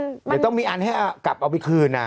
เดี๋ยวต้องมีอันให้กลับเอาไปคืน